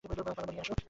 Paloma, নিয়ে আসো।